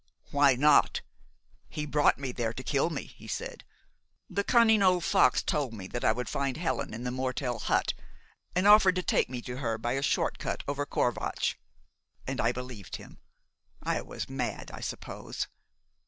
"Why not? He brought me there to kill me, he said. The cunning old fox told me that I would find Helen in the Mortel hut, and offered to take me to her by a short cut over Corvatsch. And I believed him! I was mad, I suppose.